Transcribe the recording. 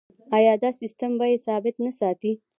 آیا دا سیستم بیې ثابت نه ساتي؟